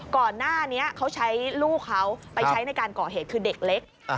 ก่อนหน้านี้เขาใช้ลูกเขาไปใช้ในการก่อเหตุคือเด็กเล็ก